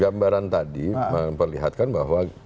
gambaran tadi memperlihatkan bahwa